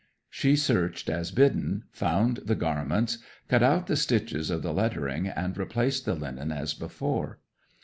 'She searched as bidden, found the garments, cut out the stitches of the lettering, and replaced the linen as before.